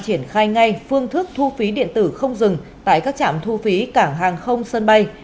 triển khai ngay phương thức thu phí điện tử không dừng tại các trạm thu phí cảng hàng không sân bay